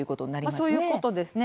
そういうことですね。